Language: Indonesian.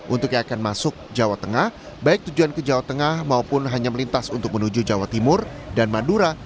untuk yang akan masuk jawa tengah baik tujuan ke jawa tengah maupun hanya melintas untuk menuju jawa timur dan madura